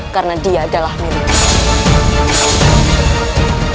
karena dia adalah milikku